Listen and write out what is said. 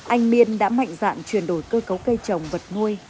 anh miên đã mạnh dạng truyền đổi cơ cấu cây trồng vật nuôi